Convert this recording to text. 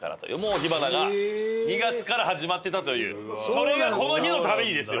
それがこの日のためにですよ！